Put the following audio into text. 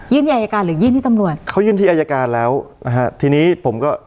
อายการหรือยื่นที่ตำรวจเขายื่นที่อายการแล้วนะฮะทีนี้ผมก็